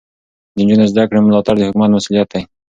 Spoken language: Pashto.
د نجونو زده کړې ملاتړ د حکومت مسؤلیت دی.